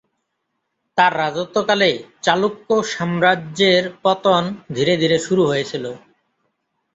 তাঁর রাজত্বকালে চালুক্য সাম্রাজ্যের পতন ধীরে ধীরে শুরু হয়েছিল।